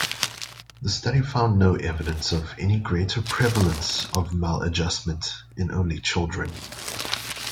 The study found no evidence of any greater prevalence of maladjustment in only children.